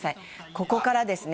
ここからですね